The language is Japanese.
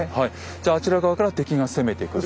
じゃああちら側から敵が攻めてくる。